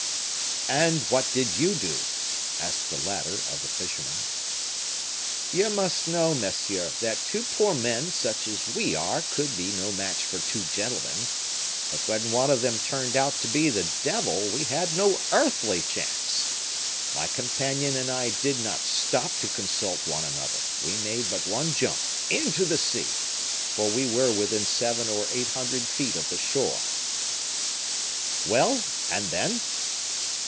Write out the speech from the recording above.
"And what did you do?" asked the latter of the fisherman. "You must know, monsieur, that two poor men, such as we are, could be no match for two gentlemen; but when one of them turned out to be the devil, we had no earthly chance! My companion and I did not stop to consult one another; we made but one jump into the sea, for we were within seven or eight hundred feet of the shore." "Well, and then?"